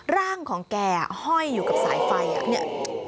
ร่างของแกห้อยอยู่กับสายไฟ